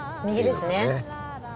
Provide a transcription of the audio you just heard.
右ですね。